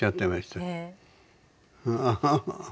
ハハハハ。